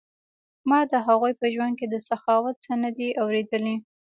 ما د هغوی په ژوند کې د سخاوت څه نه دي اوریدلي.